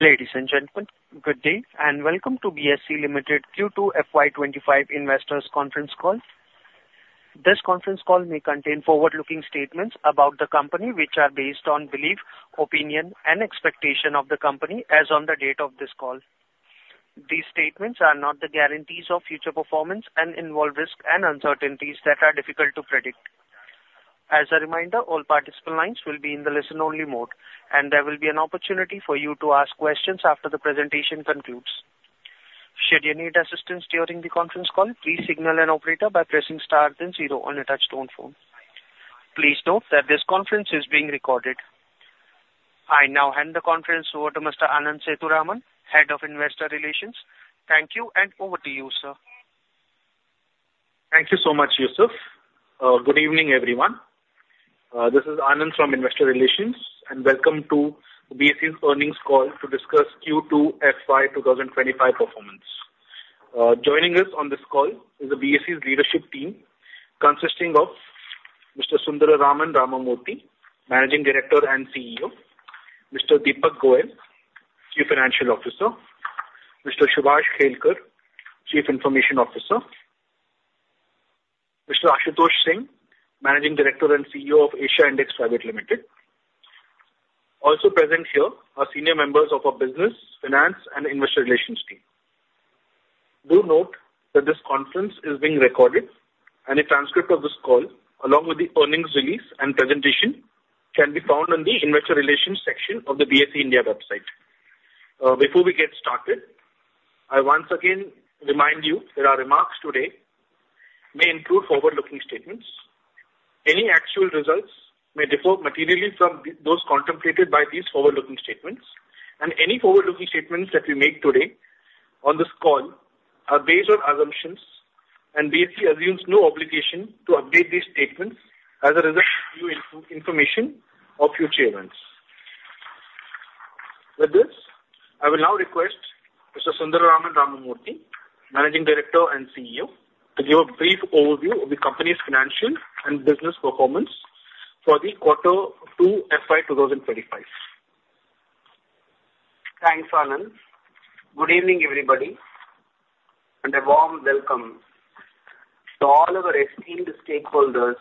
Ladies and gentlemen, good day, and welcome to BSE Limited Q2 FY25 Investors' Conference Call. This conference call may contain forward-looking statements about the company, which are based on belief, opinion, and expectation of the company as on the date of this call. These statements are not the guarantees of future performance and involve risks and uncertainties that are difficult to predict. As a reminder, all participant lines will be in the listen-only mode, and there will be an opportunity for you to ask questions after the presentation concludes. Should you need assistance during the conference call, please signal an operator by pressing star then zero on a touch-tone phone. Please note that this conference is being recorded. I now hand the conference over to Mr. Anand Sethuraman, Head of Investor Relations. Thank you, and over to you, sir. Thank you so much, Yusuf. Good evening, everyone. This is Anand from Investor Relations, and welcome to BSE's earnings call to discuss Q2 FY 2025 performance. Joining us on this call is the BSE's leadership team, consisting of Mr. Sundararaman Ramamurthy, Managing Director and CEO, Mr. Deepak Goel, Chief Financial Officer, Mr. Subhash Kelkar, Chief Information Officer, Mr. Ashutosh Singh, Managing Director and CEO of Asia Index Private Limited. Also present here are senior members of our Business, Finance, and Investor Relations team. Do note that this conference is being recorded, and a transcript of this call, along with the earnings release and presentation, can be found in the Investor Relations section of the BSE India website. Before we get started, I once again remind you that our remarks today may include forward-looking statements. Any actual results may differ materially from those contemplated by these forward-looking statements, and any forward-looking statements that we make today on this call are based on assumptions, and BSE assumes no obligation to update these statements as a result of new information or future events. With this, I will now request Mr. Sundararaman Ramamurthy, Managing Director and CEO, to give a brief overview of the company's financial and business performance for the quarter of Q2 FY 2025. Thanks, Anand. Good evening, everybody, and a warm welcome to all of our esteemed stakeholders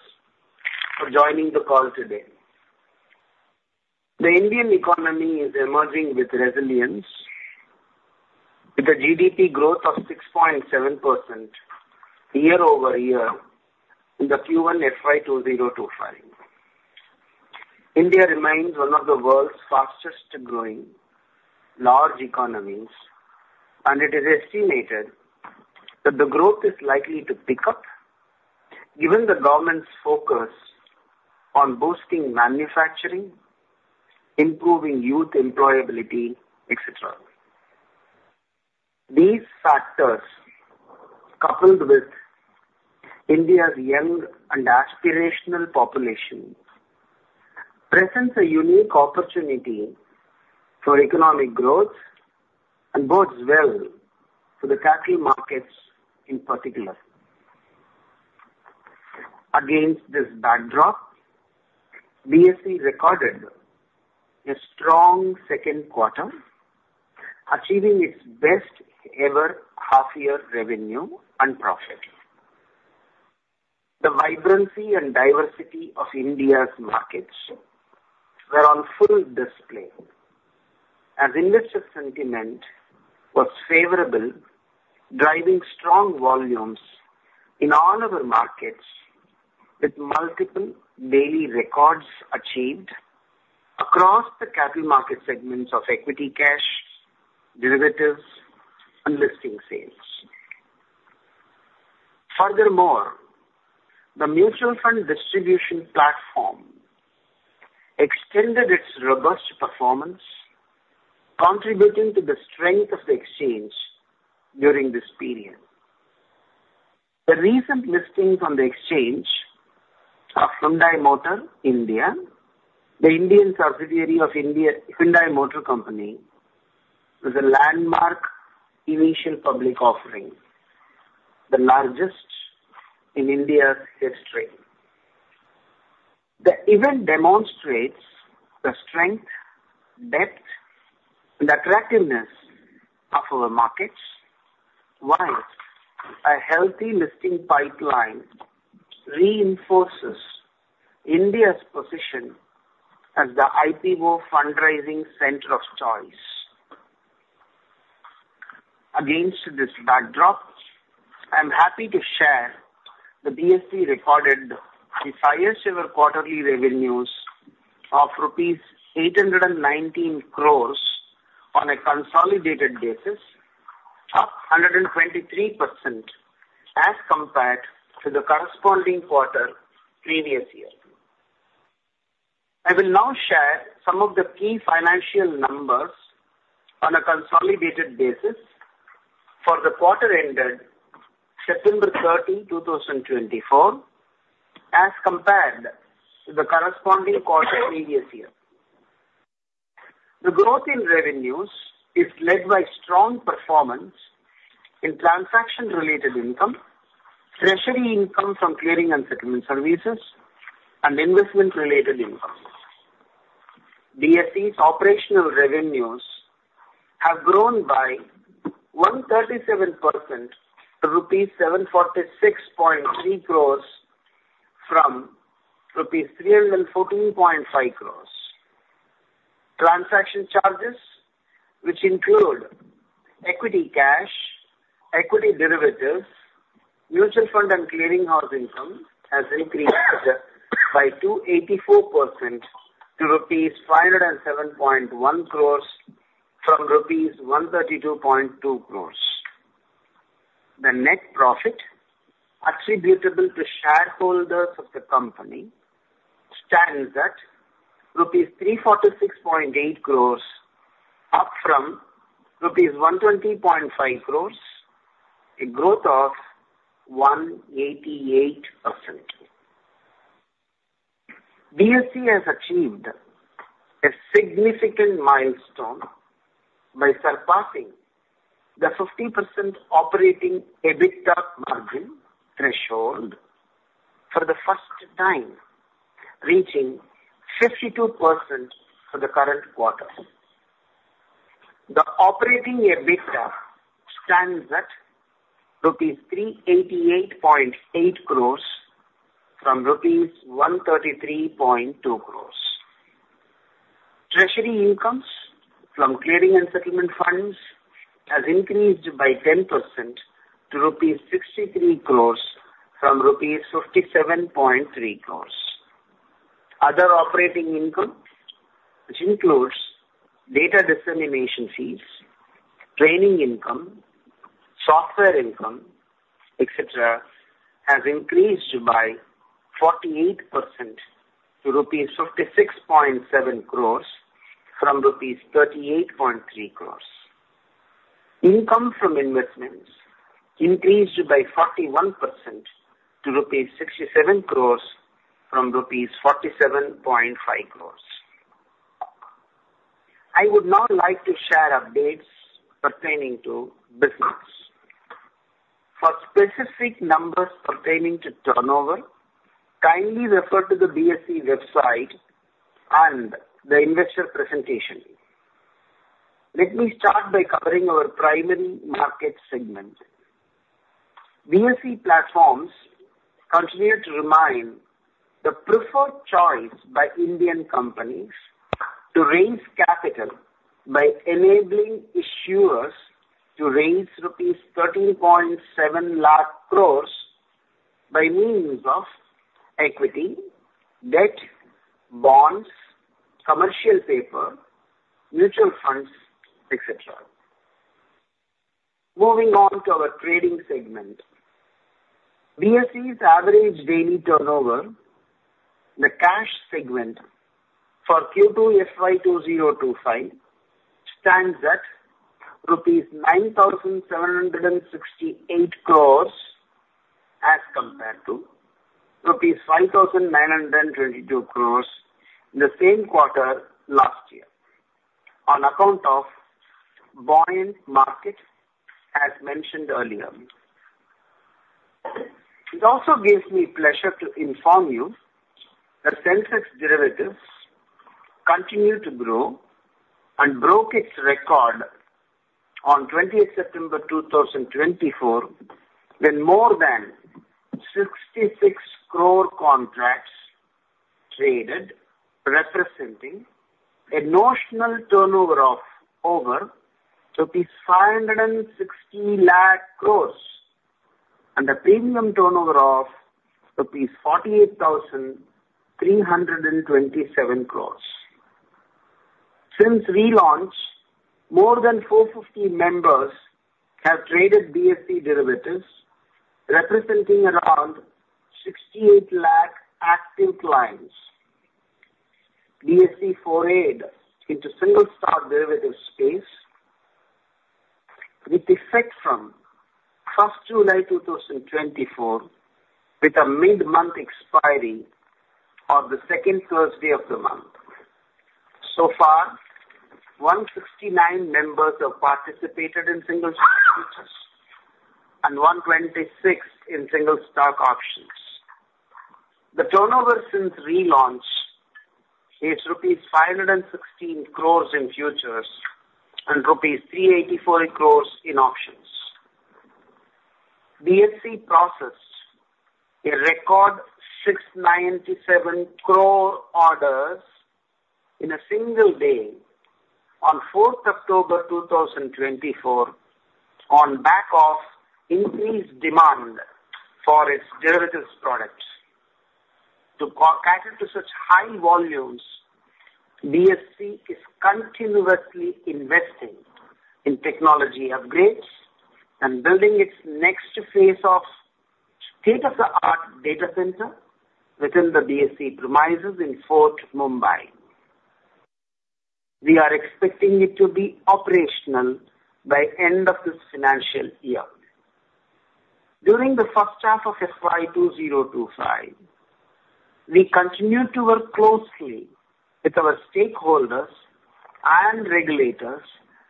for joining the call today. The Indian economy is emerging with resilience, with a GDP growth of 6.7% year-over-year in the Q1 FY 2025. India remains one of the world's fastest-growing large economies, and it is estimated that the growth is likely to pick up, given the government's focus on boosting manufacturing, improving youth employability, etc. These factors, coupled with India's young and aspirational population, present a unique opportunity for economic growth and bodes well for the capital markets in particular. Against this backdrop, BSE recorded a strong second quarter, achieving its best-ever half-year revenue and profit. The vibrancy and diversity of India's markets were on full display, as investor sentiment was favorable, driving strong volumes in all of our markets, with multiple daily records achieved across the capital market segments of equity cash, derivatives, and listing sales. Furthermore, the mutual fund distribution platform extended its robust performance, contributing to the strength of the exchange during this period. The recent listings on the exchange are Hyundai Motor India, the Indian subsidiary of Hyundai Motor Company, with a landmark initial public offering, the largest in India's history. The event demonstrates the strength, depth, and attractiveness of our markets, while a healthy listing pipeline reinforces India's position as the IPO fundraising center of choice. Against this backdrop, I'm happy to share the BSE recorded the highest-ever quarterly revenues of rupees 819 crores on a consolidated basis of 123%, as compared to the corresponding quarter previous year. I will now share some of the key financial numbers on a consolidated basis for the quarter ended September 30, 2024, as compared to the corresponding quarter previous year. The growth in revenues is led by strong performance in transaction-related income, treasury income from clearing and settlement services, and investment-related income. BSE's operational revenues have grown by 137% to rupees 746.3 crores from rupees 314.5 crores. Transaction charges, which include equity cash, equity derivatives, mutual fund, and clearing house income, have increased by 284% to rupees 507.1 crores from rupees 132.2 crores. The net profit attributable to shareholders of the company stands at rupees 346.8 crores, up from rupees 120.5 crores, a growth of 188%. BSE has achieved a significant milestone by surpassing the 50% operating EBITDA margin threshold for the first time, reaching 52% for the current quarter. The operating EBITDA stands at rupees 388.8 crores from rupees 133.2 crores. Treasury incomes from clearing and settlement funds have increased by 10% to rupees 63 crores from rupees 57.3 crores. Other operating income, which includes data dissemination fees, training income, software income, etc., has increased by 48% to rupees 56.7 crores from rupees 38.3 crores. Income from investments increased by 41% to rupees 67 crores from rupees 47.5 crores. I would now like to share updates pertaining to business. For specific numbers pertaining to turnover, kindly refer to the BSE website and the investor presentation. Let me start by covering our primary market segment. BSE platforms continue to remain the preferred choice by Indian companies to raise capital by enabling issuers to raise rupees 13.7 lakh crores by means of equity, debt, bonds, commercial paper, mutual funds, etc. Moving on to our trading segment, BSE's average daily turnover in the cash segment for Q2 FY 2025 stands at rupees 9,768 crores as compared to rupees 5,922 crores in the same quarter last year on account of buoyant market, as mentioned earlier. It also gives me pleasure to inform you that Sensex Derivatives continued to grow and broke its record on 28 September 2024, when more than 66 crore contracts traded, representing a notional turnover of over 560 lakh crores and a premium turnover of rupees 48,327 crores. Since relaunch, more than 450 members have traded BSE Derivatives, representing around 68 lakh active clients. BSE forayed into single-stock derivatives space with effect from first July 2024, with a mid-month expiry on the second Thursday of the month. So far, 169 members have participated in single-stock futures and 126 in single-stock options. The turnover since relaunch is rupees 516 crores in futures and rupees 384 crores in options. BSE processed a record 697 crore orders in a single day on 4 October 2024, on back of increased demand for its derivatives products. To cater to such high volumes, BSE is continuously investing in technology upgrades and building its next phase of state-of-the-art data center within the BSE premises in Fort Mumbai. We are expecting it to be operational by the end of this financial year. During the first half of FY 2025, we continue to work closely with our stakeholders and regulators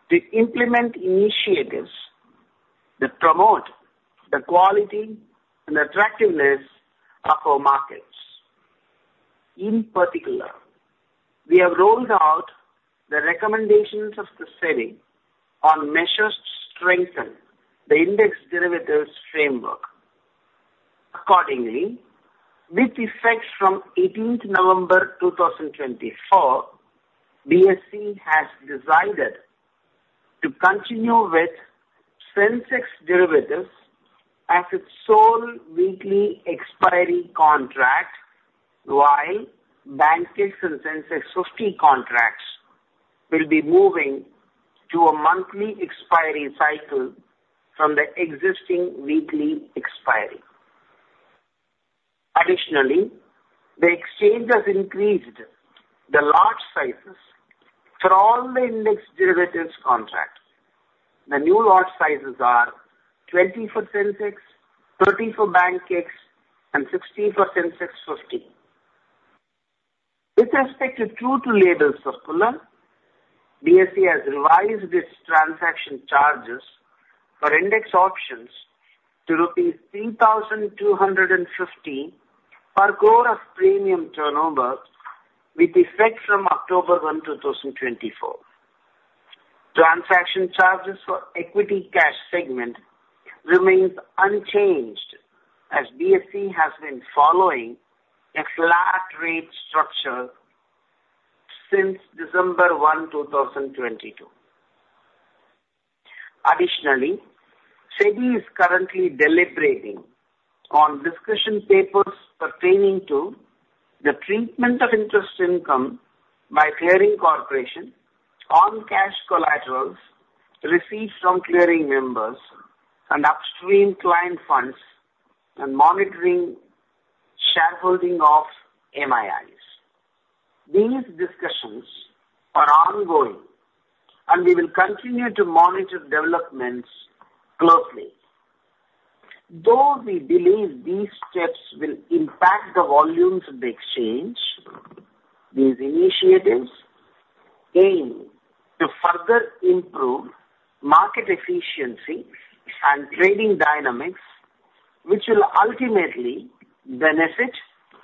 to implement initiatives that promote the quality and attractiveness of our markets. In particular, we have rolled out the recommendations of the SEBI on measures to strengthen the index derivatives framework. Accordingly, with effect from 18 November 2024, BSE has decided to continue with Sensex Derivatives as its sole weekly expiry contract, while BankEx and Sensex 50 contracts will be moving to a monthly expiry cycle from the existing weekly expiry. Additionally, the exchange has increased the lot sizes for all the index derivatives contracts. The new lot sizes are 20 for Sensex, 30 for BankEx, and 60 for Sensex 50. With respect to Q2 related circular, BSE has revised its transaction charges for index options to rupees 3,250 per crore of premium turnover, with effect from October 1, 2024. Transaction charges for equity cash segment remain unchanged, as BSE has been following its flat rate structure since December 1, 2022. Additionally, SEBI is currently deliberating on discussion papers pertaining to the treatment of interest income by clearing corporation on cash collaterals received from clearing members and upstream client funds, and monitoring shareholding of MIIs. These discussions are ongoing, and we will continue to monitor developments closely. Though we believe these steps will impact the volumes of the exchange, these initiatives aim to further improve market efficiency and trading dynamics, which will ultimately benefit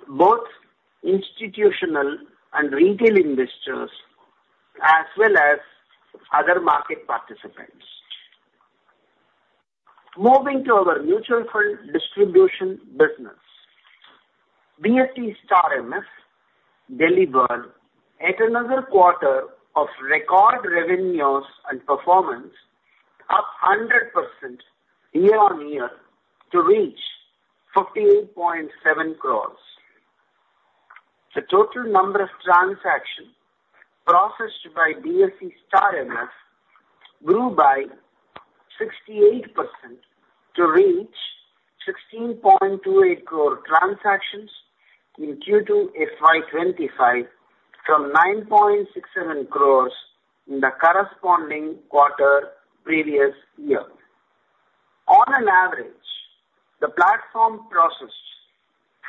both institutional and retail investors, as well as other market participants. Moving to our mutual fund distribution business, BSE's StAR MF delivered yet another quarter of record revenues and performance up 100% year-on-year to reach 58.7 crores. The total number of transactions processed by BSE StAR MF grew by 68% to reach 16.28 crore transactions in Q2 FY 25, from 9.67 crores in the corresponding quarter previous year. On an average, the platform processed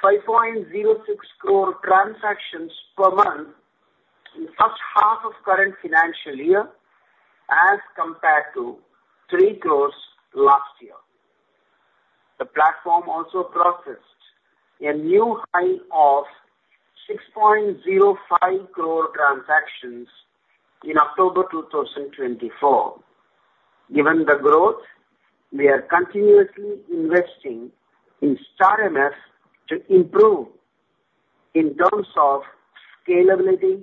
5.06 crore transactions per month in the first half of the current financial year, as compared to 3 crores last year. The platform also processed a new high of 6.05 crore transactions in October 2024. Given the growth, we are continuously investing in Star MF to improve in terms of scalability,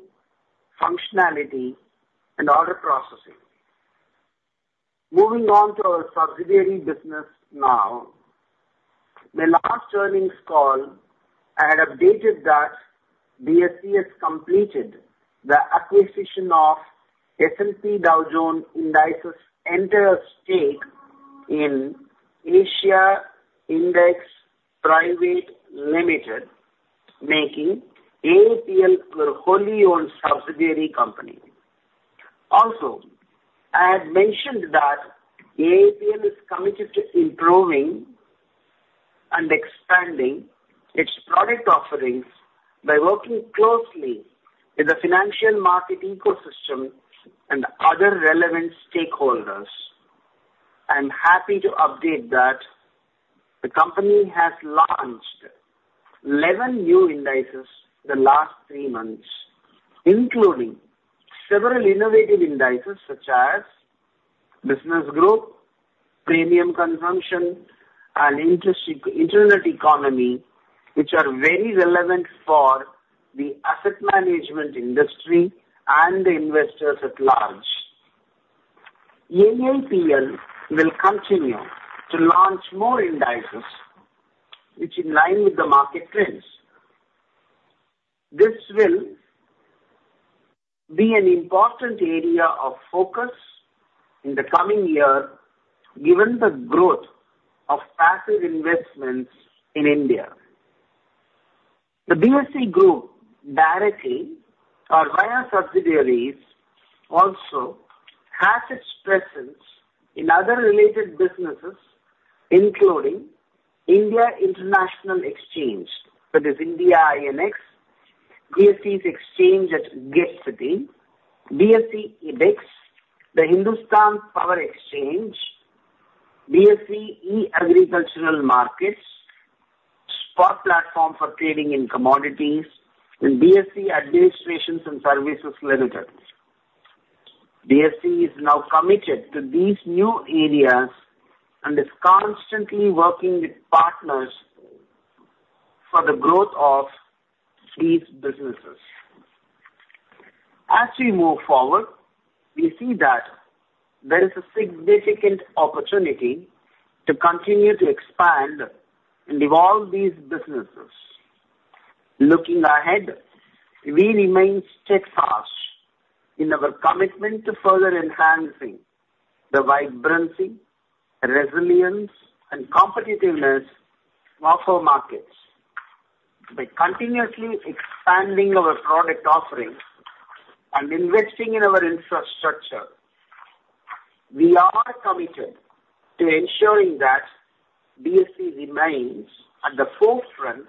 functionality, and order processing. Moving on to our subsidiary business now, the last earnings call had updated that BSE has completed the acquisition of S&P Dow Jones Indices' entire stake in Asia Index Private Limited, making AIPL a wholly-owned subsidiary company. Also, I had mentioned that AIPL is committed to improving and expanding its product offerings by working closely with the financial market ecosystem and other relevant stakeholders. I'm happy to update that the company has launched 11 new indices the last three months, including several innovative indices such as Business Group, Premium Consumption, and Internet Economy, which are very relevant for the asset management industry and the investors at large. Asia Index will continue to launch more indices, which is in line with the market trends. This will be an important area of focus in the coming year, given the growth of passive investments in India. The BSE Group directly or via subsidiaries also has its presence in other related businesses, including India International Exchange, that is India INX, BSE's exchange at GIFT City, BSE Ebix, the Hindustan Power Exchange, BSE e-Agricultural Markets, Spot Platform for Trading in Commodities, and BSE Administration and Services Limited. BSE is now committed to these new areas and is constantly working with partners for the growth of these businesses. As we move forward, we see that there is a significant opportunity to continue to expand and evolve these businesses. Looking ahead, we remain steadfast in our commitment to further enhancing the vibrancy, resilience, and competitiveness of our markets. By continuously expanding our product offerings and investing in our infrastructure, we are committed to ensuring that BSE remains at the forefront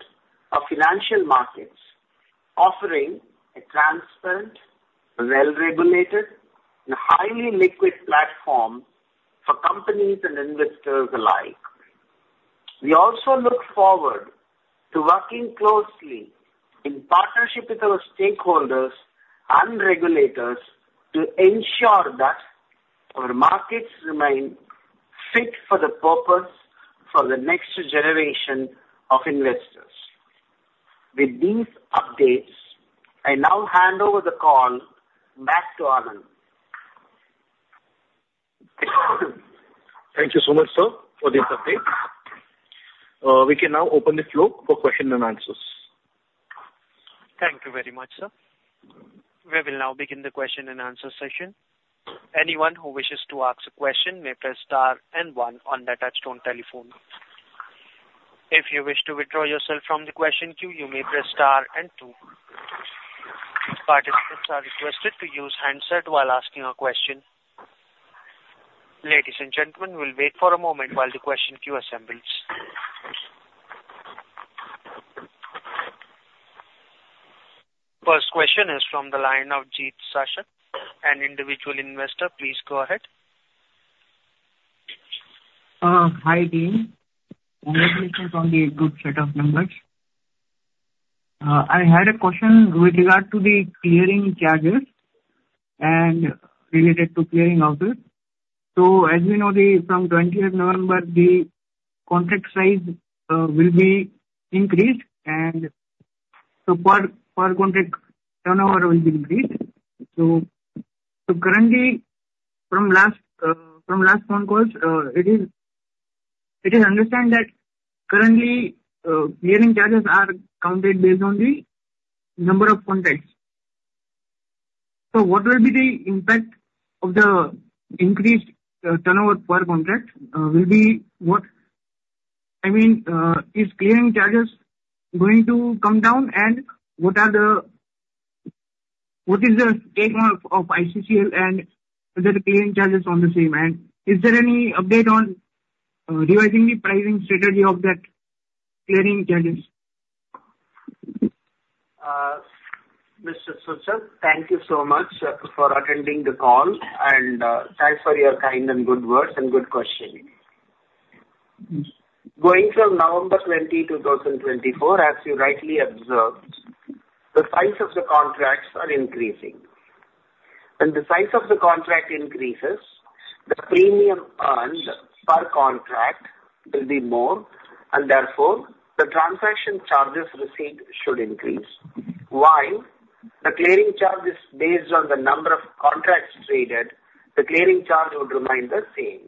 of financial markets, offering a transparent, well-regulated, and highly liquid platform for companies and investors alike. We also look forward to working closely in partnership with our stakeholders and regulators to ensure that our markets remain fit for the purpose for the next generation of investors. With these updates, I now hand over the call back to Anand. Thank you so much, sir, for these updates. We can now open the floor for questions and answers. Thank you very much, sir. We will now begin the question and answer session. Anyone who wishes to ask a question may press Star and 1 on the touch-tone telephone. If you wish to withdraw yourself from the question queue, you may press Star and 2. Participants are requested to use handset while asking a question. Ladies and gentlemen, we'll wait for a moment while the question queue assembles. First question is from the line of Jeet Sachan, an individual investor. Please go ahead. Hi, Jeet. Congratulations on the good set of numbers. I had a question with regard to the clearing charges and related to clearing out. So, as we know, from 20th November, the contract size will be increased, and so per contract, turnover will be increased. So, currently, from last phone calls, it is understood that currently, clearing charges are counted based on the number of contracts. So, what will be the impact of the increased turnover per contract? Will be what? I mean, is clearing charges going to come down, and what is the state of ICCL and other clearing charges on the same? And is there any update on revising the pricing strategy of that clearing charges? Mr. Sachan, thank you so much for attending the call, and thanks for your kind and good words and good questioning. Going from November 20, 2024, as you rightly observed, the size of the contracts are increasing. When the size of the contract increases, the premium earned per contract will be more, and therefore, the transaction charges received should increase. While the clearing charge is based on the number of contracts traded, the clearing charge would remain the same.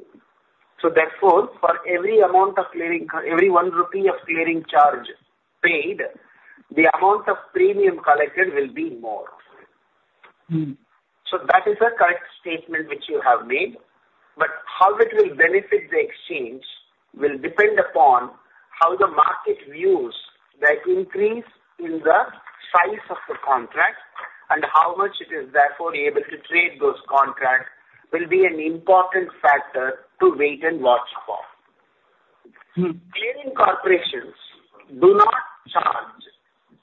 So, therefore, for every amount of clearing, every 1 rupee of clearing charge paid, the amount of premium collected will be more. So, that is a correct statement which you have made, but how it will benefit the exchange will depend upon how the market views that increase in the size of the contract and how much it is therefore able to trade those contracts will be an important factor to wait and watch for. Clearing corporations do not charge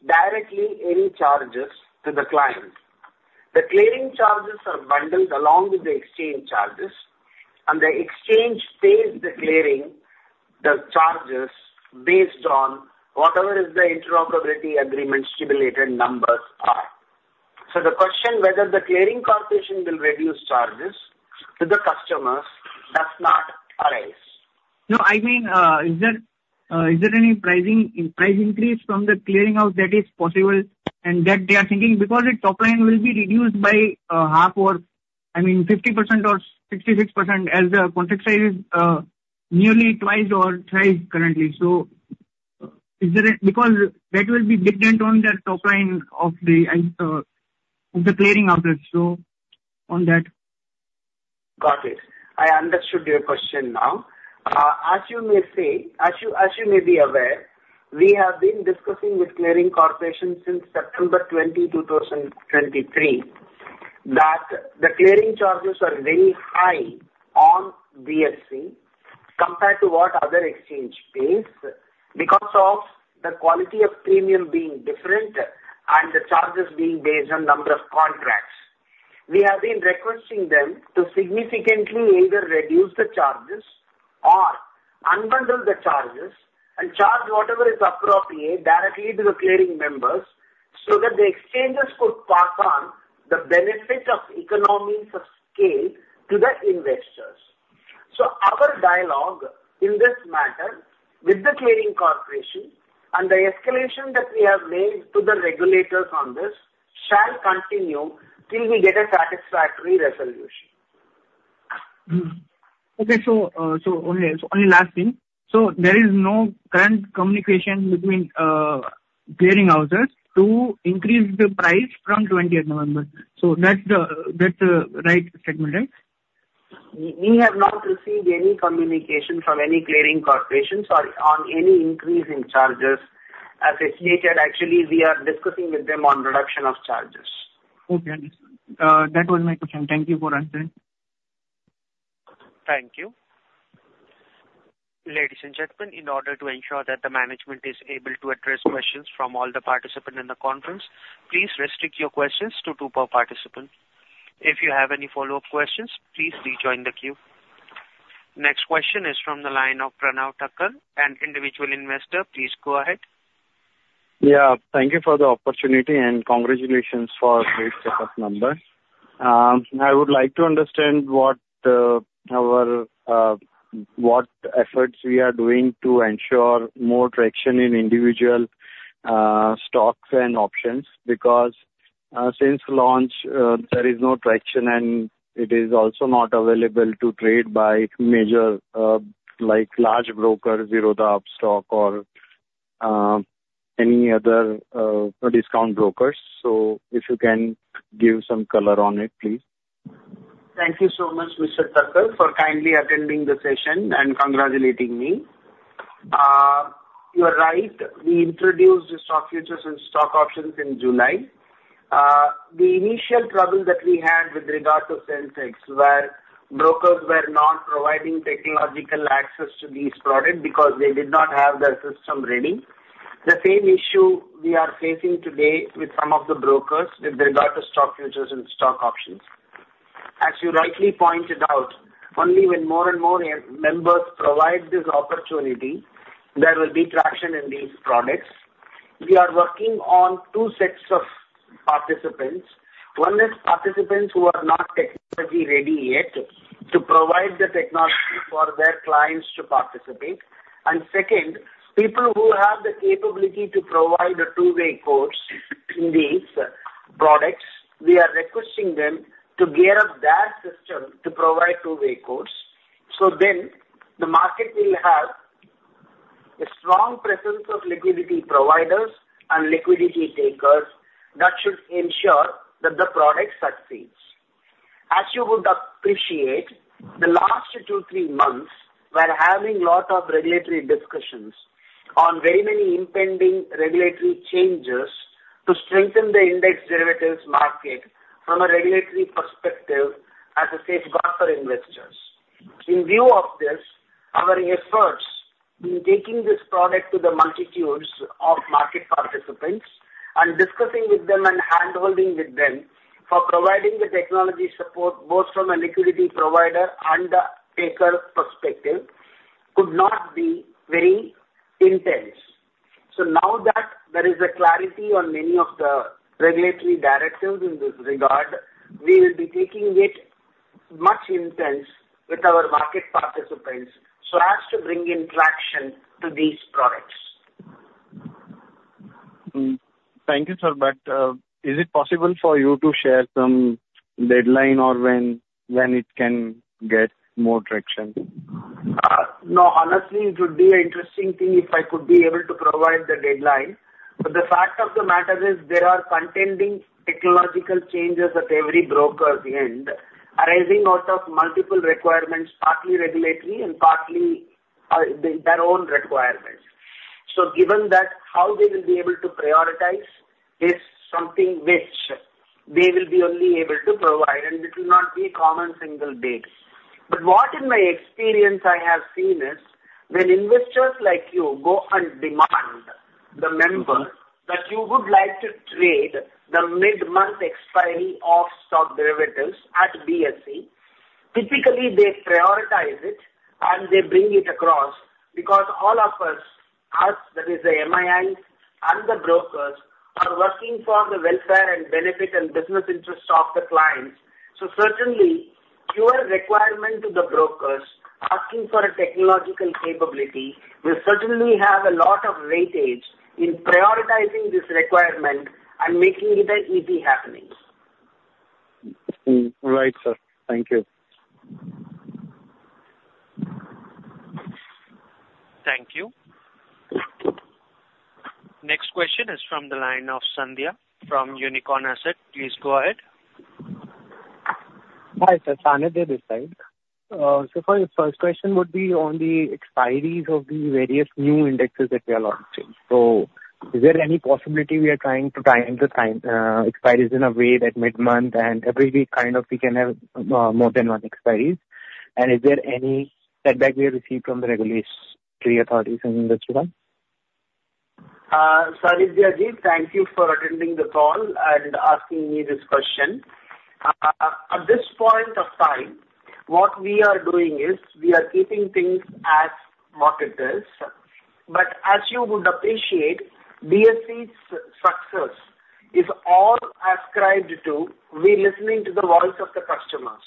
directly any charges to the client. The clearing charges are bundled along with the exchange charges, and the exchange pays the clearing charges based on whatever the interoperability agreement stipulated numbers are. So, the question whether the clearing corporation will reduce charges to the customers does not arise. No, I mean, is there any price increase from the clearing house that is possible and that they are thinking because the top line will be reduced by half or, I mean, 50% or 66% as the contract size is nearly twice or thrice currently. So, because that will be dependent on the top line of the clearing house, so on that. Got it. I understood your question now. As you may say, as you may be aware, we have been discussing with clearing corporations since September 20, 2023, that the clearing charges are very high on BSE compared to what other exchange pays because of the quality of premium being different and the charges being based on number of contracts. We have been requesting them to significantly either reduce the charges or unbundle the charges and charge whatever is appropriate directly to the clearing members so that the exchanges could pass on the benefit of economies of scale to the investors. Our dialogue in this matter with the clearing corporation and the escalation that we have made to the regulators on this shall continue till we get a satisfactory resolution. Okay. So, only last thing. So, there is no current communication between clearing houses to increase the price from 20th November. So, that's the right statement, right? We have not received any communication from any clearing corporations on any increase in charges associated. Actually, we are discussing with them on reduction of charges. Okay. Understood. That was my question. Thank you for answering. Thank you. Ladies and gentlemen, in order to ensure that the management is able to address questions from all the participants in the conference, please restrict your questions to two per participant. If you have any follow-up questions, please rejoin the queue. Next question is from the line of Pranav Thakkar, an individual investor. Please go ahead. Yeah. Thank you for the opportunity and congratulations for this set of numbers. I would like to understand what efforts we are doing to ensure more traction in individual stocks and options because since launch, there is no traction, and it is also not available to trade by major like large brokers, Zerodha Upstox, or any other discount brokers. So, if you can give some color on it, please. Thank you so much, Mr. Thakkar, for kindly attending the session and congratulating me. You are right. We introduced the stock futures and stock options in July. The initial trouble that we had with regard to Sensex where brokers were not providing technological access to these products because they did not have their system ready. The same issue we are facing today with some of the brokers with regard to stock futures and stock options. As you rightly pointed out, only when more and more members provide this opportunity, there will be traction in these products. We are working on two sets of participants. One is participants who are not technology ready yet to provide the technology for their clients to participate. And second, people who have the capability to provide a two-way course in these products. We are requesting them to gear up their system to provide two-way course. So then, the market will have a strong presence of liquidity providers and liquidity takers that should ensure that the product succeeds. As you would appreciate, the last two, three months were having a lot of regulatory discussions on very many impending regulatory changes to strengthen the index derivatives market from a regulatory perspective as a safeguard for investors. In view of this, our efforts in taking this product to the multitudes of market participants and discussing with them and hand-holding with them for providing the technology support both from a liquidity provider and a taker perspective could not be very intense. So now that there is clarity on many of the regulatory directives in this regard, we will be taking it much intense with our market participants so as to bring in traction to these products. Thank you, sir, but is it possible for you to share some deadline or when it can get more traction? No, honestly, it would be an interesting thing if I could be able to provide the deadline. But the fact of the matter is there are contending technological changes at every broker's end arising out of multiple requirements, partly regulatory and partly their own requirements. So given that, how they will be able to prioritize is something which they will be only able to provide, and it will not be a common single date. But what in my experience I have seen is when investors like you go and demand the member that you would like to trade the mid-month expiry of stock derivatives at BSE, typically they prioritize it and they bring it across because all of us, us, that is the MIIs and the brokers, are working for the welfare and benefit and business interests of the clients. So certainly, your requirement to the brokers asking for a technological capability will certainly have a lot of weightage in prioritizing this requirement and making it an easy happening. Right, sir. Thank you. Thank you. Next question is from the line of Sandhya from Unicorn Asset. Please go ahead. Hi, sir. This is Sandhya. So first question would be on the expiries of the various new indexes that we are launching. So is there any possibility we are trying to time the expiries in a way that mid-month and every week kind of we can have more than one expiry? And is there any setback we have received from the regulatory authorities in this regard? Ajit, thank you for attending the call and asking me this question. At this point of time, what we are doing is we are keeping things as what it is. But as you would appreciate, BSE's success is all ascribed to we listening to the voice of the customers.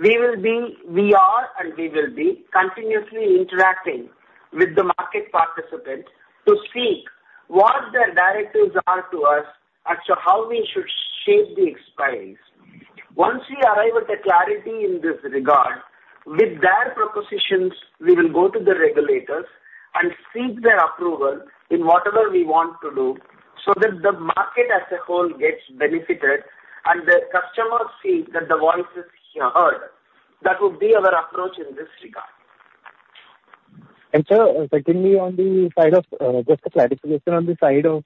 We will be continuously interacting with the market participant to see what their directives are to us as to how we should shape the expiries. Once we arrive at a clarity in this regard, with their propositions, we will go to the regulators and seek their approval in whatever we want to do so that the market as a whole gets benefited and the customers see that the voice is heard. That would be our approach in this regard. And, sir, secondly, on the side of just a clarification on the side of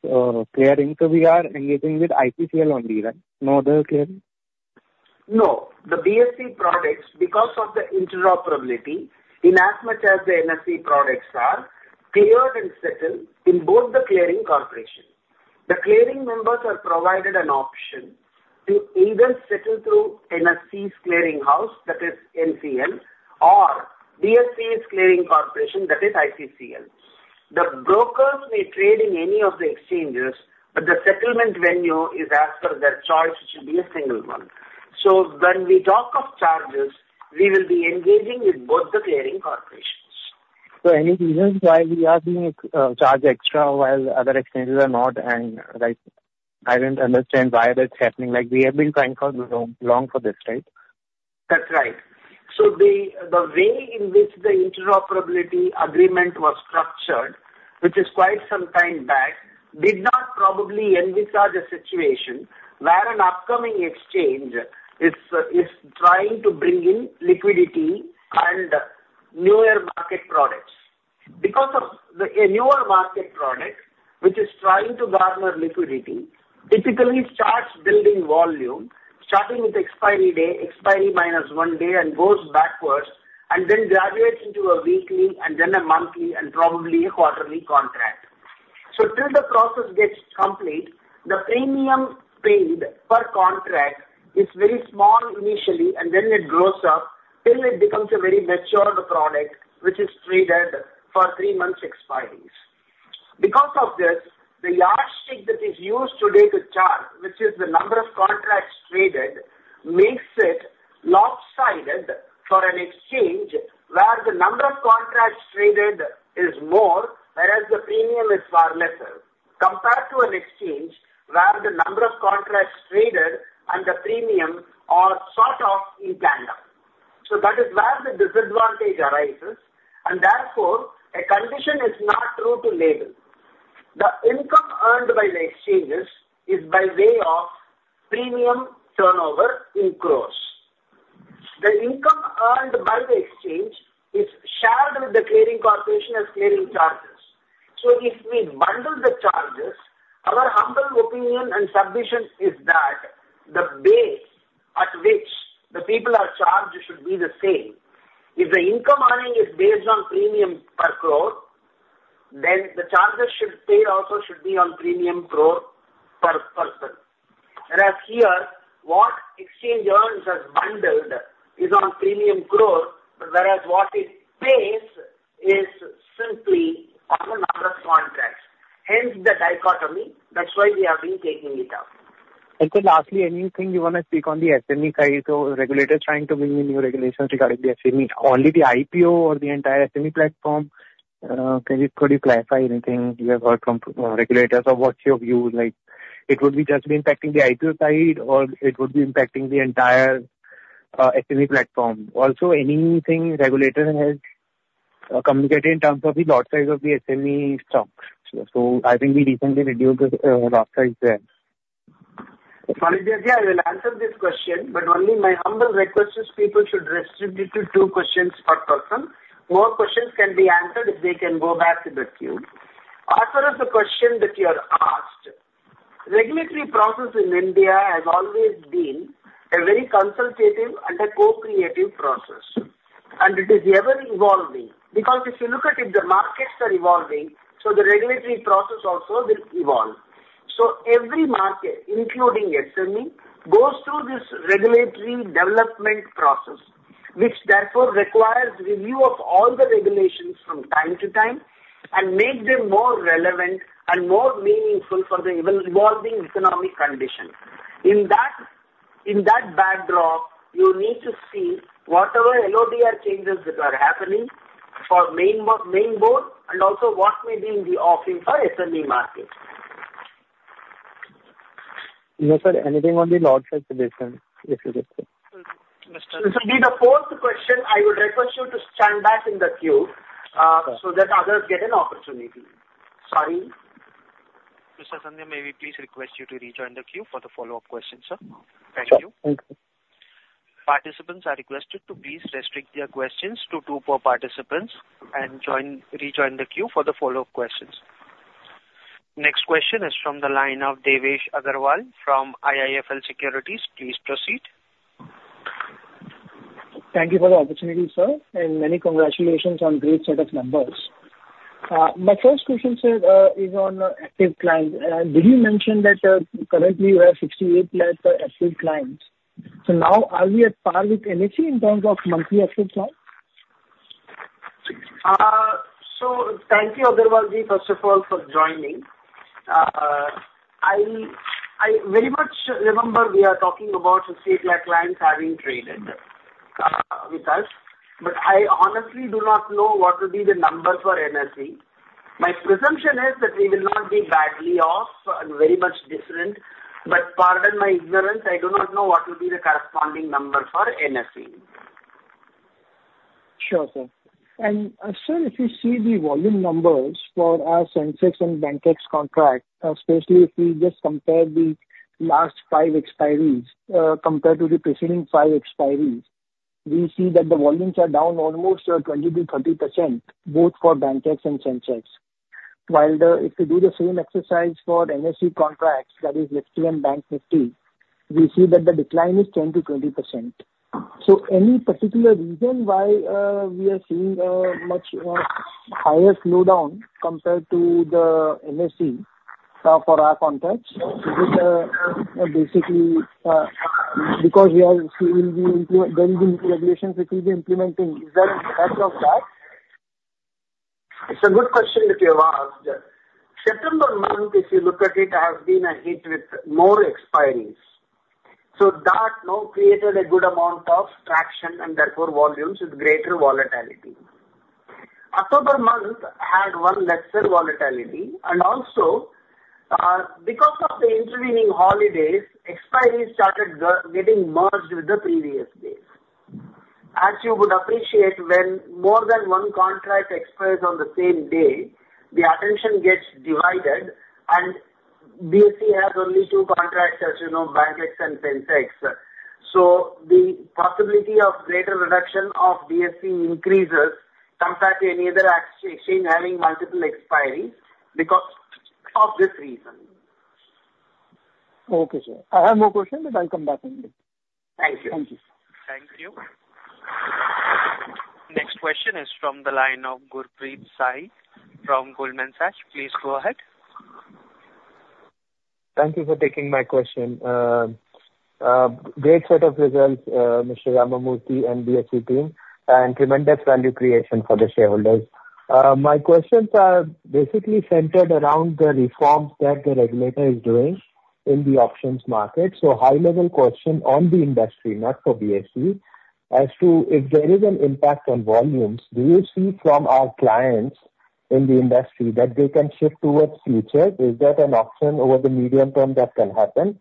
clearing, so we are engaging with ICCL only, right? No other clearing? No. The BSE products, because of the interoperability in as much as the NSE products are, cleared and settled in both the clearing corporations. The clearing members are provided an option to either settle through NSE's clearing house, that is NCL, or BSE's clearing corporation, that is ICCL. The brokers may trade in any of the exchanges, but the settlement venue is as per their choice, which should be a single one. So when we talk of charges, we will be engaging with both the clearing corporations. So any reasons why we are being charged extra while other exchanges are not? And I don't understand why that's happening. We have been trying for long for this, right? That's right. So the way in which the interoperability agreement was structured, which is quite some time back, did not probably envisage a situation where an upcoming exchange is trying to bring in liquidity and newer market products. Because of the newer market product, which is trying to garner liquidity, typically starts building volume, starting with expiry day, expiry minus one day, and goes backwards, and then graduates into a weekly and then a monthly and probably a quarterly contract. So till the process gets complete, the premium paid per contract is very small initially, and then it grows up till it becomes a very matured product, which is traded for three months' expiries. Because of this, the yardstick that is used today to charge, which is the number of contracts traded, makes it lopsided for an exchange where the number of contracts traded is more, whereas the premium is far lesser, compared to an exchange where the number of contracts traded and the premium are sort of in tandem. So that is where the disadvantage arises, and therefore, a condition is not true to label. The income earned by the exchanges is by way of premium turnover in gross. The income earned by the exchange is shared with the clearing corporation as clearing charges. So if we bundle the charges, our humble opinion and submission is that the base at which the people are charged should be the same. If the income earning is based on premium per gross, then the charges also should be on premium gross per person. Whereas here, what exchange earns as bundled is on premium gross, whereas what it pays is simply on the number of contracts. Hence the dichotomy. That's why we have been taking it up. And so lastly, anything you want to speak on the SME side? So regulators trying to bring in new regulations regarding the SME, only the IPO or the entire SME platform? Could you clarify anything you have heard from regulators or what's your view? It would be just impacting the IPO side, or it would be impacting the entire SME platform? Also, anything regulators have communicated in terms of the lot size of the SME stocks? So I think we recently reviewed the lot size there. So, Sandhya, yeah, I will answer this question, but only my humble request is people should restrict it to two questions per person. More questions can be answered if they can go back to the queue. As far as the question that you are asked, regulatory process in India has always been a very consultative and a co-creative process, and it is ever evolving because if you look at it, the markets are evolving, so the regulatory process also will evolve, so every market, including SME, goes through this regulatory development process, which therefore requires review of all the regulations from time to time and makes them more relevant and more meaningful for the evolving economic condition. In that backdrop, you need to see whatever LODR changes that are happening for mainboard and also what may be in the offering for SME market. No, sir. Anything on the lot size division, if you could say? Mr., so the fourth question, I would request you to stand back in the queue so that others get an opportunity. Sorry. Mr. Sandhya, may we please request you to rejoin the queue for the follow-up questions, sir? Thank you. Sure. Thank you. Participants are requested to please restrict their questions to two per participants and rejoin the queue for the follow-up questions. Next question is from the line of Devesh Agarwal from IIFL Securities. Please proceed. Thank you for the opportunity, sir, and many congratulations on great set of numbers. My first question, sir, is on active clients. Did you mention that currently you have 68 lakh active clients? So now, are we at par with NSE in terms of monthly active clients? Thank you, Agarwal, first of all, for joining. I very much remember we are talking about 68 lakh clients having traded with us. But I honestly do not know what will be the number for NSE. My presumption is that we will not be badly off and very much different. But pardon my ignorance, I do not know what will be the corresponding number for NSE. Sure, sir. And sir, if you see the volume numbers for our Sensex and Bankex contracts, especially if we just compare the last five expiries compared to the preceding five expiries, we see that the volumes are down almost 20%-30%, both for Bankex and Sensex. While if we do the same exercise for NSE contracts, that is Nifty and Bank Nifty, we see that the decline is 10%-20%. So any particular reason why we are seeing a much higher slowdown compared to the NSE for our contracts? Is it basically because there will be new regulations that we'll be implementing? Is that the effect of that? It's a good question that you have asked. September month, if you look at it, has been a hit with more expiries. So that now created a good amount of traction and therefore volumes with greater volatility. October month had one lesser volatility. And also, because of the intervening holidays, expiries started getting merged with the previous days. As you would appreciate, when more than one contract expires on the same day, the attention gets divided, and BSE has only two contracts, as you know, BankEx and Sensex. So the possibility of greater reduction of BSE increases compared to any other exchange having multiple expiries because of this reason. Okay, sir. I have no question, but I'll come back in. Thank you. Thank you. Thank you. Next question is from the line of Gurpreet Sahi from Goldman Sachs. Please go ahead. Thank you for taking my question. Great set of results, Mr. Ramamurthy and BSE team, and tremendous value creation for the shareholders. My questions are basically centered around the reforms that the regulator is doing in the options market, so high-level question on the industry, not for BSE, as to if there is an impact on volumes. Do you see from our clients in the industry that they can shift towards futures? Is that an option over the medium term that can happen,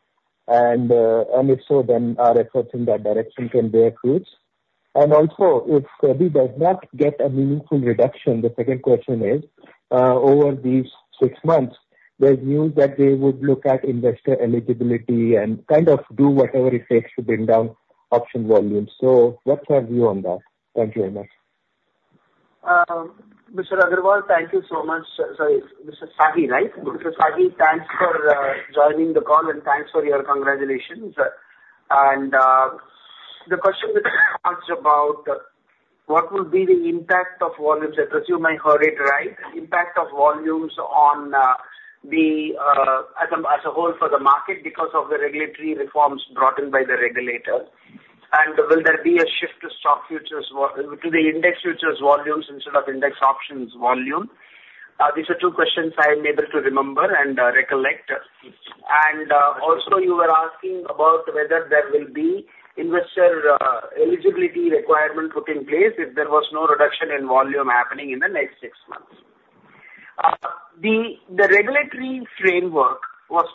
and if so, then our efforts in that direction can bear fruits, and also, if SEBI does not get a meaningful reduction, the second question is, over these six months, there's news that they would look at investor eligibility and kind of do whatever it takes to bring down option volumes, so what's your view on that? Thank you very much. Mr. Agarwal, thank you so much. Sorry, Mr. Sahi, right? Mr. Sahi, thanks for joining the call and thanks for your congratulations. And the question that you asked about what will be the impact of volumes, I presume I heard it right, the impact of volumes on the market as a whole for the market because of the regulatory reforms brought in by the regulator. And will there be a shift to stock futures, to the index futures volumes instead of index options volume? These are two questions I am able to remember and recollect. And also, you were asking about whether there will be investor eligibility requirement put in place if there was no reduction in volume happening in the next six months. The regulatory framework was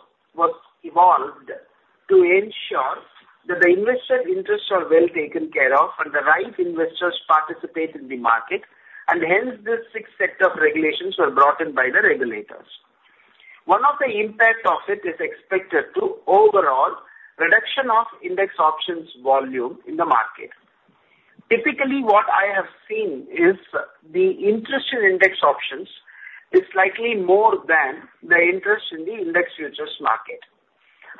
evolved to ensure that the investor interests are well taken care of and the right investors participate in the market, and hence this sixth set of regulations were brought in by the regulators. One of the impacts of it is expected to overall reduction of index options volume in the market. Typically, what I have seen is the interest in index options is slightly more than the interest in the index futures market.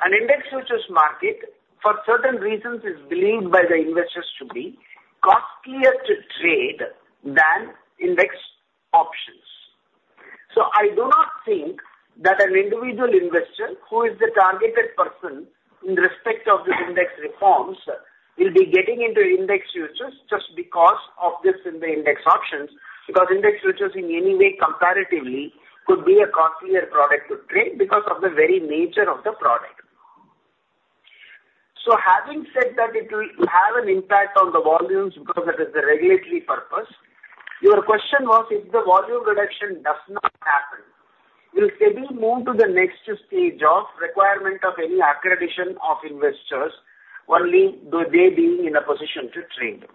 An index futures market, for certain reasons, is believed by the investors to be costlier to trade than index options. So I do not think that an individual investor who is the targeted person in respect of the index reforms will be getting into index futures just because of this in the index options, because index futures in any way comparatively could be a costlier product to trade because of the very nature of the product. So having said that it will have an impact on the volumes because it is the regulatory purpose. Your question was if the volume reduction does not happen, will SEBI move to the next stage of requirement of any accreditation of investors, only they being in a position to trade?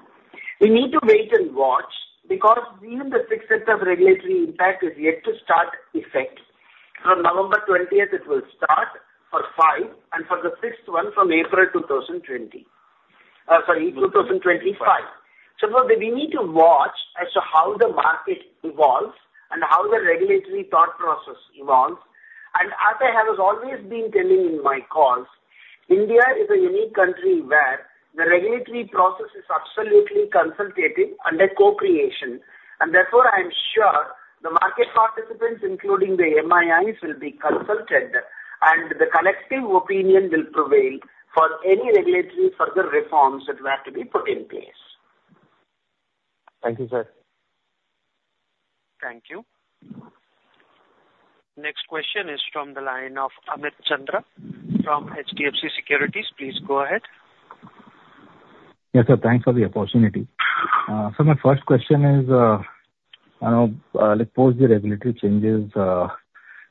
We need to wait and watch because even the sixth set of regulatory impact is yet to start effect. From November 20th, it will start for five, and for the sixth one from April 2020. Sorry, 2025. We need to watch as to how the market evolves and how the regulatory thought process evolves. As I have always been telling in my calls, India is a unique country where the regulatory process is absolutely consultative and a co-creation. Therefore, I am sure the market participants, including the MIIs, will be consulted, and the collective opinion will prevail for any regulatory further reforms that will have to be put in place. Thank you, sir. Thank you. Next question is from the line of Amit Chandra from HDFC Securities. Please go ahead. Yes, sir. Thanks for the opportunity. So my first question is, I know post the regulatory changes,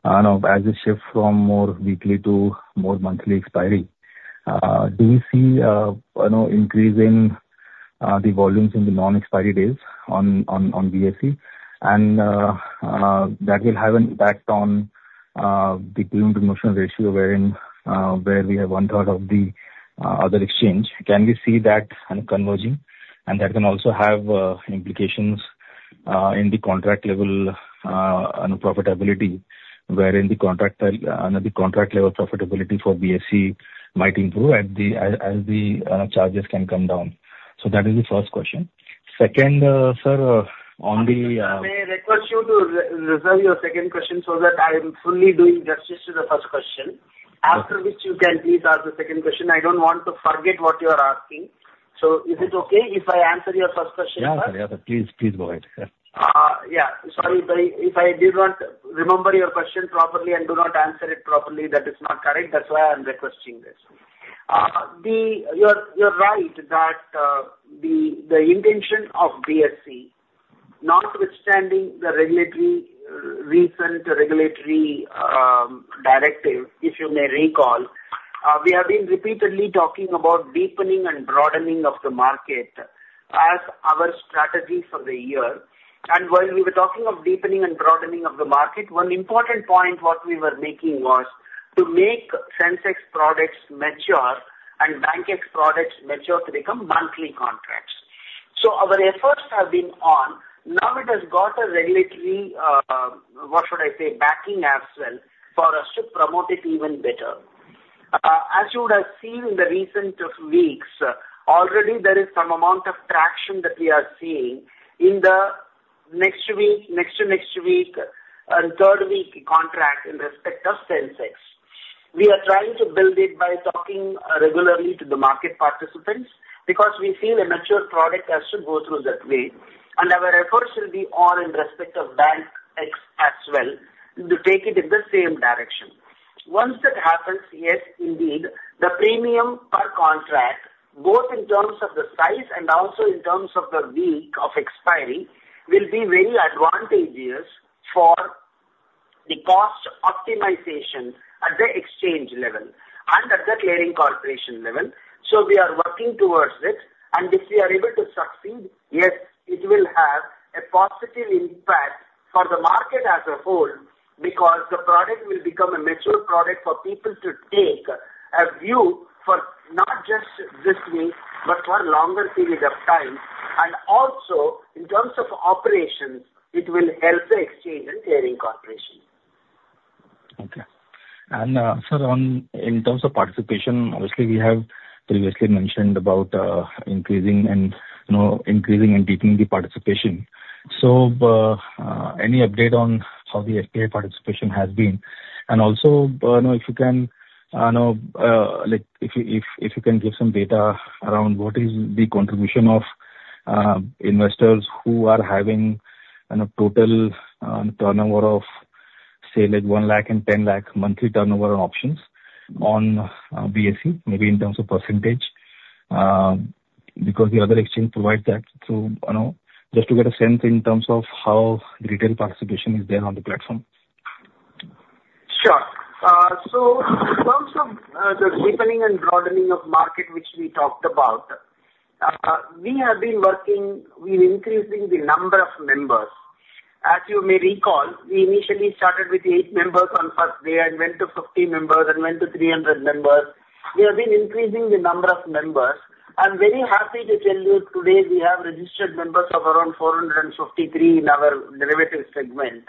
I know as it shifts from more weekly to more monthly expiry, do you see an increase in the volumes in the non-expiry days on BSE? And that will have an impact on the premium-to-notional ratio wherein we have one-third of the other exchange. Can we see that converging? And that can also have implications in the contract-level profitability, wherein the contract-level profitability for BSE might improve as the charges can come down. So that is the first question. Second, sir, on the. May I request you to reserve your second question so that I am fully doing justice to the first question? After which, you can please ask the second question. I don't want to forget what you are asking. So is it okay if I answer your first question? Yes, sir. Yes, sir. Please, please go ahead. Yeah. Sorry. If I did not remember your question properly and do not answer it properly, that is not correct. That's why I'm requesting this. You're right that the intention of BSE, notwithstanding the recent regulatory directive, if you may recall, we have been repeatedly talking about deepening and broadening of the market as our strategy for the year. And while we were talking of deepening and broadening of the market, one important point what we were making was to make Sensex products mature and Bankex products mature to become monthly contracts. So our efforts have been on. Now it has got a regulatory, what should I say, backing as well for us to promote it even better. As you would have seen in the recent weeks, already there is some amount of traction that we are seeing in the next week, next to next week, and third week contract in respect of Sensex. We are trying to build it by talking regularly to the market participants because we feel a mature product has to go through that way. And our efforts will be all in respect of Bankex as well to take it in the same direction. Once that happens, yes, indeed, the premium per contract, both in terms of the size and also in terms of the week of expiry, will be very advantageous for the cost optimization at the exchange level and at the clearing corporation level. So we are working towards it. If we are able to succeed, yes, it will have a positive impact for the market as a whole because the product will become a mature product for people to take a view for not just this week, but for a longer period of time. And also, in terms of operations, it will help the exchange and clearing corporation. Okay. And sir, in terms of participation, obviously, we have previously mentioned about increasing and deepening the participation. So any update on how the FPI participation has been? And also, if you can give some data around what is the contribution of investors who are having a total turnover of, say, like 1 lakh and 10 lakh monthly turnover on options on BSE, maybe in terms of %, because the other exchange provides that? So just to get a sense in terms of how the retail participation is there on the platform. Sure. So in terms of the deepening and broadening of market, which we talked about, we have been working with increasing the number of members. As you may recall, we initially started with eight members on first day and went to 50 members and went to 300 members. We have been increasing the number of members. I'm very happy to tell you today we have registered members of around 453 in our derivatives segment,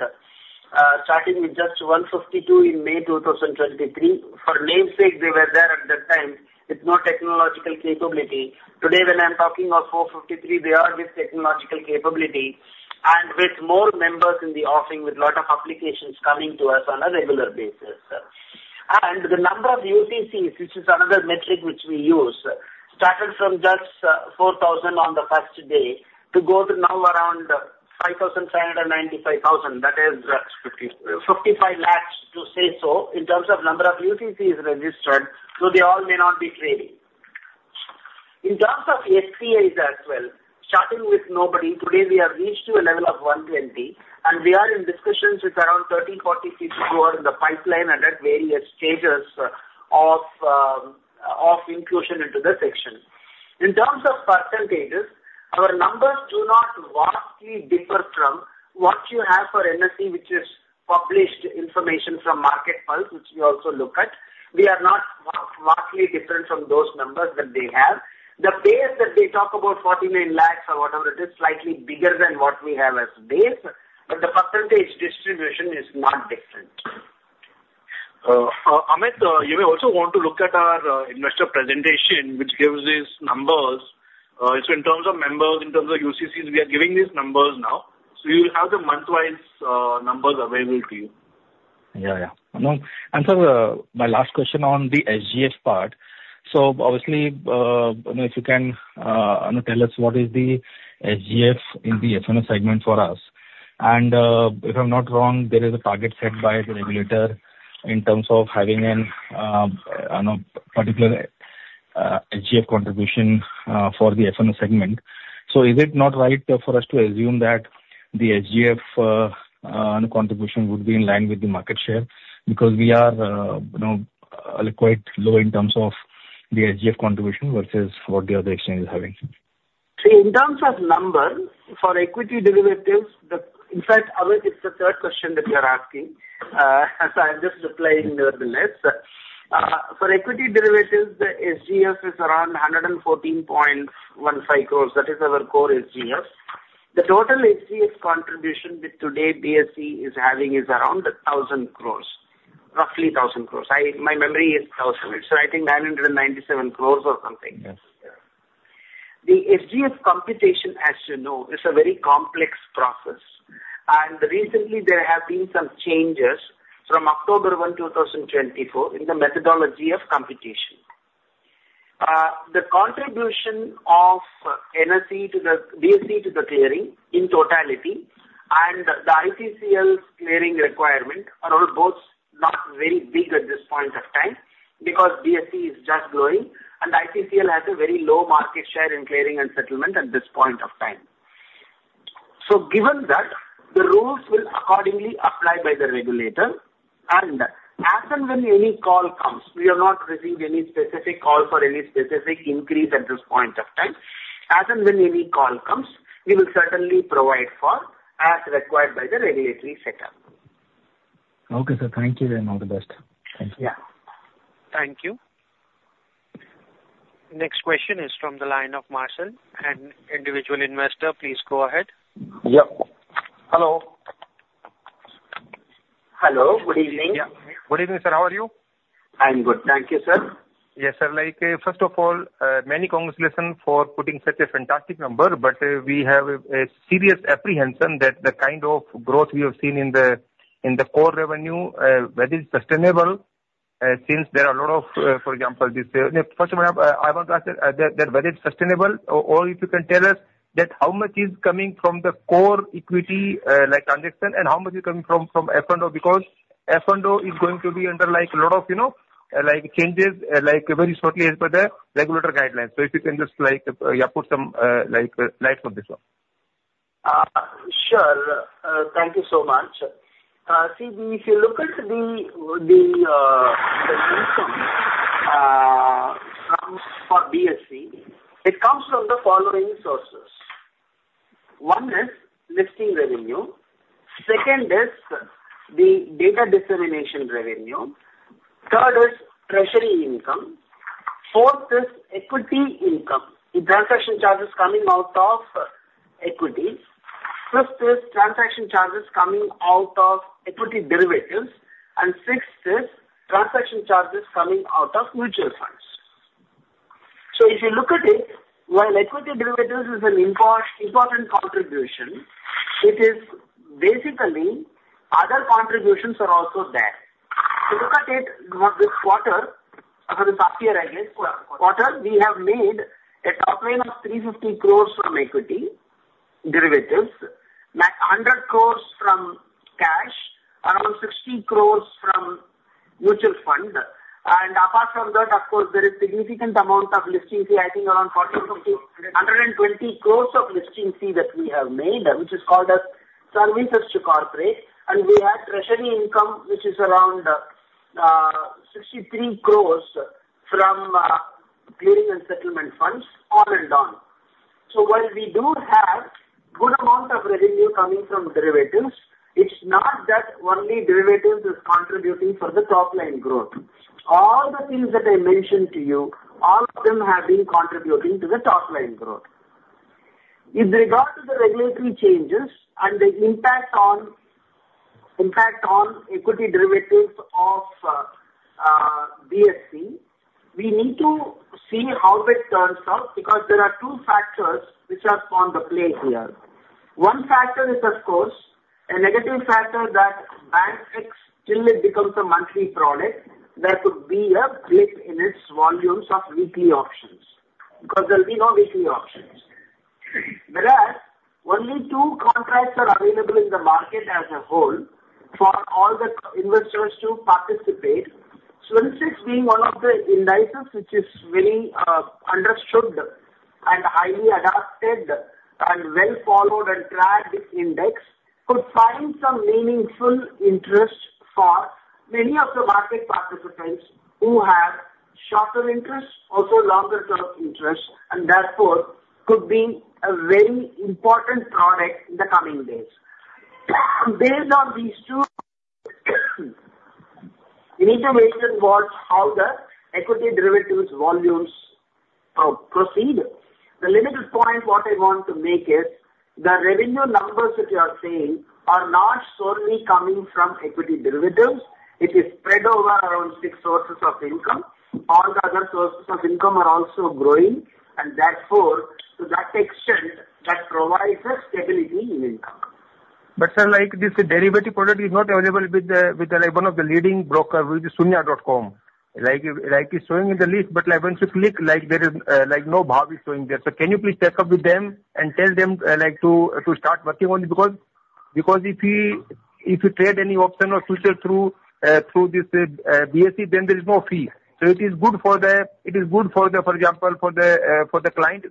starting with just 152 in May 2023. For namesake, they were there at that time with no technological capability. Today, when I'm talking of 453, they are with technological capability and with more members in the offering with a lot of applications coming to us on a regular basis. And the number of UCCs, which is another metric which we use, started from just 4,000 on the first day to go to now around 5,595,000. That is. 55,000. 55 lakhs, to say so, in terms of number of UTCs registered, though they all may not be trading. In terms of FPIs as well, starting with nobody, today we have reached to a level of 120, and we are in discussions with around 30-40 people who are in the pipeline and at various stages of inclusion into the section. In terms of percentages, our numbers do not vastly differ from what you have for NSE, which is published information from MarketPulse, which we also look at. We are not vastly different from those numbers that they have. The base that they talk about, 49 lakhs or whatever it is, is slightly bigger than what we have as base, but the percentage distribution is not different. Amit, you may also want to look at our investor presentation, which gives these numbers. So in terms of members, in terms of UCCs, we are giving these numbers now. So you will have the monthwise numbers available to you. Yeah, yeah. And sir, my last question on the SGF part. So obviously, if you can tell us what is the SGF in the F&O segment for us. And if I'm not wrong, there is a target set by the regulator in terms of having a particular SGF contribution for the F&O segment. So is it not right for us to assume that the SGF contribution would be in line with the market share because we are quite low in terms of the SGF contribution versus what the other exchange is having? See, in terms of numbers, for equity derivatives, in fact, Amit, it's the third question that you're asking. So I'm just replying to the list. For equity derivatives, the SGF is around 114.15 crores. That is our core SGF. The total SGF contribution with today BSE is having around 1,000 crores, roughly 1,000 crores. My memory is 1,000. So I think 997 crores or something. The SGF computation, as you know, is a very complex process. Recently, there have been some changes from October 1, 2024, in the methodology of computation. The contribution of BSE to the clearing in totality and the ICCL clearing requirement are both not very big at this point of time because BSE is just growing, and ICCL has a very low market share in clearing and settlement at this point of time. Given that, the rules will accordingly apply by the regulator. And as and when any call comes, we have not received any specific call for any specific increase at this point of time. As and when any call comes, we will certainly provide for as required by the regulatory setup. Okay, sir. Thank you and all the best. Thank you. Yeah. Thank you. Next question is from the line of Marcel, an individual investor. Please go ahead. Yep. Hello. Hello. Good evening. Good evening, sir. How are you? I'm good. Thank you, sir. Yes, sir. First of all, many congratulations for putting such a fantastic number, but we have a serious apprehension that the kind of growth we have seen in the core revenue, whether it's sustainable, since there are a lot of, for example, this first one, I want to ask that whether it's sustainable or if you can tell us how much is coming from the core equity transaction and how much is coming from F&O because F&O is going to be under a lot of changes very shortly as per the regulatory guidelines. So if you can just put some lights on this one. Sure. Thank you so much. See, if you look at the income for BSE, it comes from the following sources. One is listing revenue. Second is the data dissemination revenue. Third is treasury income. Fourth is equity income, the transaction charges coming out of equity. Fifth is transaction charges coming out of equity derivatives. And sixth is transaction charges coming out of mutual funds. So if you look at it, while equity derivatives is an important contribution, it is basically other contributions are also there. If you look at it this quarter, for this half year, I guess, quarter, we have made a top line of 350 crores from equity derivatives, 100 crores from cash, around 60 crores from mutual fund. Apart from that, of course, there is a significant amount of listing fee. I think around 120 crores of listing fee that we have made, which is called services to corporates. And we have treasury income, which is around 63 crores from clearing and settlement funds, on and on. So while we do have a good amount of revenue coming from derivatives, it's not that only derivatives are contributing for the top line growth. All the things that I mentioned to you, all of them have been contributing to the top line growth. With regard to the regulatory changes and the impact on equity derivatives of BSE, we need to see how it turns out because there are two factors which are at play here. One factor is, of course, a negative factor that Bankex still becomes a monthly product that could be a blip in its volumes of weekly options because there will be no weekly options. Whereas only two contracts are available in the market as a whole for all the investors to participate. Sensex being one of the indices, which is very understood and highly adopted and well-followed and tracked index, could find some meaningful interest for many of the market participants who have shorter interests, also longer-term interests, and therefore could be a very important product in the coming days. Based on these two, we need to see how the equity derivatives volumes proceed. The main point what I want to make is the revenue numbers that you are seeing are not solely coming from equity derivatives. It is spread over around six sources of income. All the other sources of income are also growing, and therefore, to that extent, that provides a stability in income. But sir, this derivative product is not available with one of the leading brokers, which is Shoonya.com. It's showing in the list, but when you click, there is no Bhav showing there. So can you please check up with them and tell them to start working on it? Because if you trade any option or futures through this BSE, then there is no fee. So it is good for the, for example, for the client,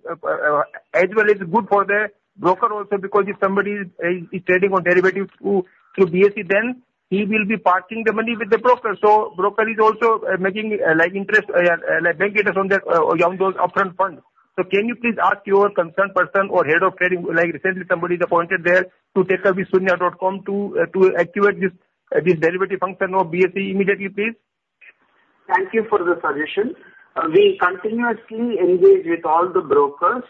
as well as good for the broker also because if somebody is trading on derivatives through BSE, then he will be parking the money with the broker. So broker is also making interest, bank interest on those upfront funds. So can you please ask your concerned person or head of trading, like recently somebody is appointed there to take up with Shoonya.com to activate this derivative function of BSE immediately, please? Thank you for the suggestion. We continuously engage with all the brokers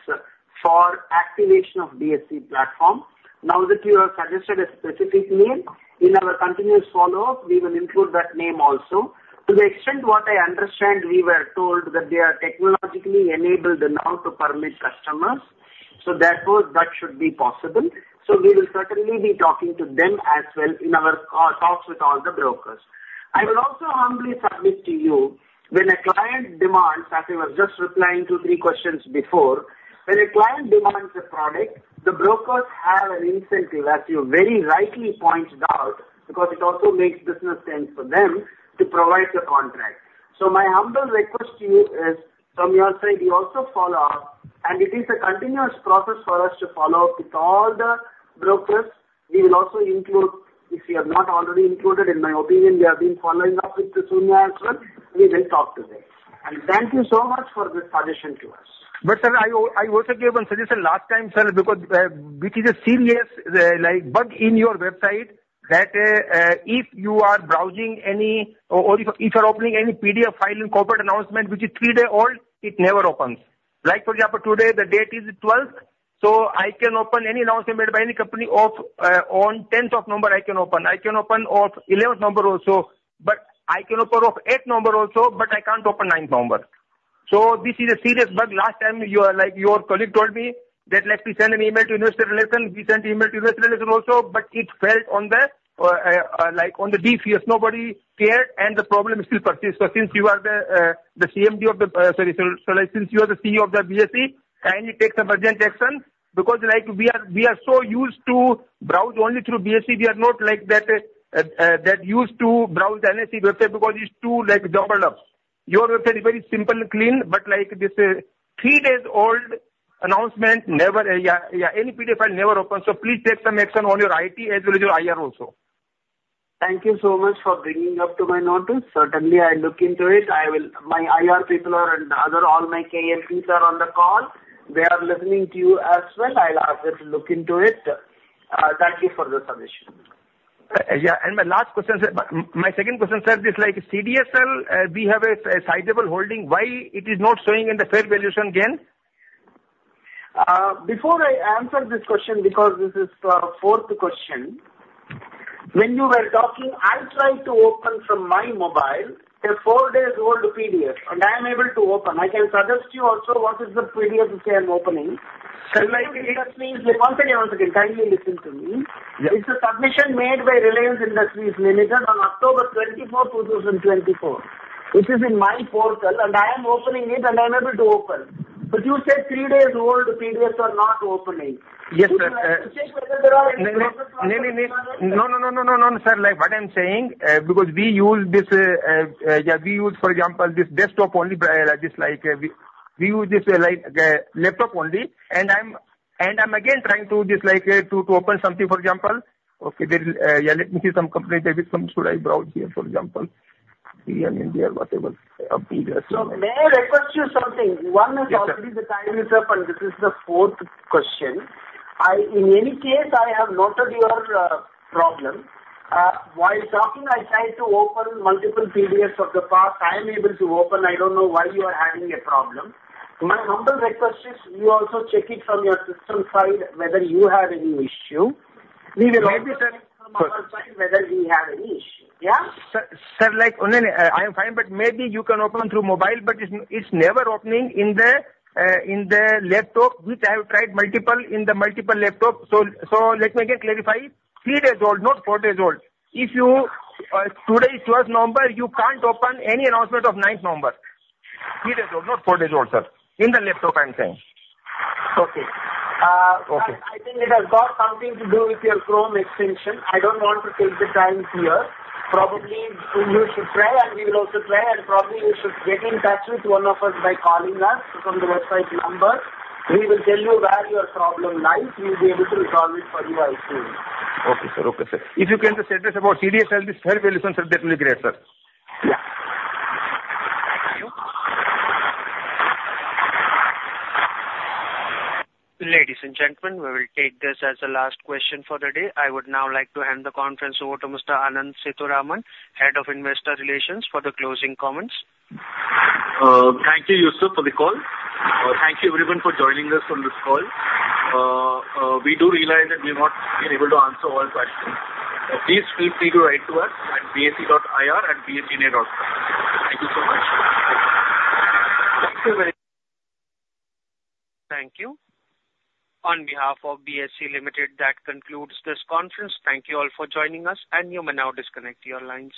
for activation of BSE platform. Now that you have suggested a specific name, in our continuous follow-up, we will include that name also. To the extent what I understand, we were told that they are technologically enabled now to permit customers. So therefore, that should be possible. So we will certainly be talking to them as well in our talks with all the brokers. I will also humbly submit to you, when a client demands, as I was just replying to three questions before, when a client demands a product, the brokers have an incentive, as you very rightly pointed out, because it also makes business sense for them to provide the contract. So my humble request to you is, from your side, you also follow up, and it is a continuous process for us to follow up with all the brokers. We will also include, if you have not already included, in my opinion, we have been following up with Shoonya as well. We will talk to them. And thank you so much for the suggestion to us. But, sir, I also gave one suggestion last time, sir, because which is a serious bug in your website that if you are browsing any or if you are opening any PDF file in corporate announcement, which is three days old, it never opens. For example, today, the date is the 12th, so I can open any announcement made by any company on 10th of November, I can open. I can open on 11th of November also, but I can open on 8th of November also, but I can't open 9th of November. So this is a serious bug. Last time, your colleague told me that, "Please send an email to investor relations." We sent an email to investor relations also, but it fell on deaf ears. Nobody cared, and the problem still persists. Since you are the CMD of the—sorry, since you are the CEO of BSE, kindly take some urgent action because we are so used to browse only through BSE. We are not that used to browse the NSE website because it's too overlooked. Your website is very simple and clean, but this three days old announcement, any PDF file never opens. Please take some action on your IT as well as your IR also. Thank you so much for bringing up to my notice. Certainly, I'll look into it. My IR people are, and all my KMPs are on the call. They are listening to you as well. I'll ask them to look into it. Thank you for the suggestion. Yeah. And my last question, sir. My second question, sir, this CDSL, we have a sizable holding. Why it is not showing in the fair valuation again? Before I answer this question, because this is the fourth question, when you were talking, I tried to open from my mobile a four days old PDF, and I am able to open. I can suggest to you also what is the PDF which I am opening. Sure. One second, one second. Kindly listen to me. It's a submission made by Reliance Industries Limited on October 24, 2024, which is in my portal, and I am opening it, and I am able to open. But you said three days old PDFs are not opening. Yes, sir. To check whether there are any processes on it. No, no, no, no, no, no, no, sir. What I'm saying, because we use this, yeah, we use, for example, this desktop only, like we use this laptop only, and I'm again trying to do this to open something, for example. Okay, yeah, let me see some companies that should I browse here, for example, here and there or whatever. May I request you something? One is already the time is up, and this is the fourth question. In any case, I have noted your problem. While talking, I tried to open multiple PDFs of the past. I am able to open. I don't know why you are having a problem. My humble request is you also check it from your system side whether you have any issue. We will also check from our side whether we have any issue. Yeah? Sir, I am fine, but maybe you can open through mobile, but it's never opening in the laptop, which I have tried multiple in the multiple laptop. So let me again clarify, three days old, not four days old. If today is 12th of November, you can't open any announcement of 9th of November. Three days old, not four days old, sir. In the laptop, I'm saying. Okay. I think it has got something to do with your Chrome extension. I don't want to take the time here. Probably you should try, and we will also try, and probably you should get in touch with one of us by calling us from the website number. We will tell you where your problem lies. We'll be able to resolve it for you as soon. Okay, sir. Okay, sir. If you can just address about CDSL, this fair valuation, sir, that will be great, sir. Yeah. Ladies and gentlemen, we will take this as the last question for the day. I would now like to hand the conference over to Mr. Anand Sethuraman, Head of Investor Relations, for the closing comments. Thank you, Yusuf, for the call. Thank you, everyone, for joining us on this call. We do realize that we have not been able to answer all questions. Please feel free to write to us at bse.ir@bseindia.com. Thank you so much. Thank you very much. Thank you. On behalf of BSE Limited, that concludes this conference. Thank you all for joining us, and you may now disconnect your lines.